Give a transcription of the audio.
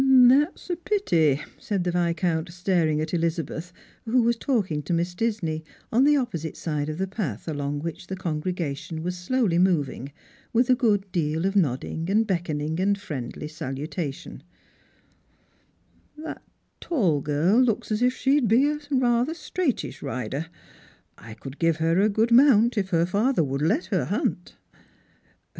" That's a pity," said the Viscount, staring at Elizabeth, who was talking to Miss Disney on the opposite side of the path, along which the congregation was slowly moving, with a good deal of nodding and beckoning and friendly salutation ;" that tall 90 Strangers and Pilgrims. girl looks as if she would be straiglitisli rider. I could give ter a good mount, if her father would let her hunt."